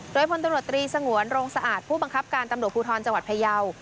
โดยพลตำรวจตรีสงวนโรงสะอาดผู้บังคับการตำรวจภูทรจังหวัดพยาว